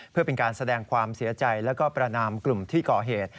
เพื่อเป็นการแสดงความเสียใจแล้วก็ประนามกลุ่มที่ก่อเหตุ